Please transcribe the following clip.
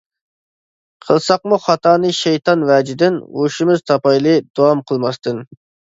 قىلساقمۇ خاتانى شەيتان ۋەجىدىن، ھوشىمىز تاپايلى داۋام قىلماستىن.